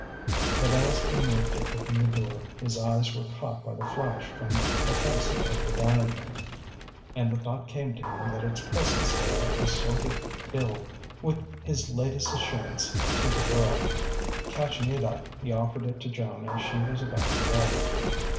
But as he moved to open the door, his eyes were caught by the flash from a facet of the diamond; and the thought came to him that its presence there assorted ill with his latest assurance to the girl. Catching it up, he offered it to Joan as she was about to go.